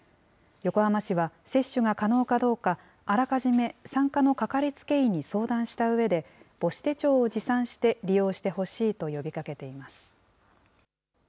横浜市は接種が可能かどうか、あらかじめ産科のかかりつけ医に相談したうえで、母子手帳を持参して利用してほしいと呼びかけています。